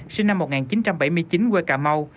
sinh năm một nghìn chín trăm bảy mươi chín quê cà mau